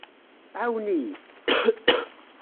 Ɛawen-iyi!